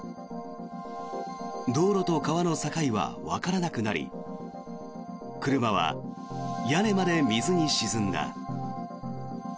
道路と川の境はわからなくなり車は屋根まで水に沈んだ。